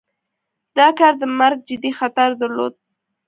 دا کار د مرګ جدي خطر درلود.